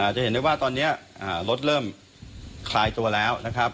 จะเห็นได้ว่าตอนนี้รถเริ่มคลายตัวแล้วนะครับ